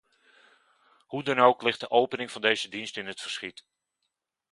Hoe dan ook ligt de opening van deze dienst in het verschiet.